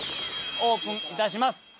オープンいたします。